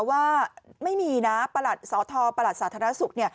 ว่าไม่มีนะประหลัดสทประหลัดสาธารณสุข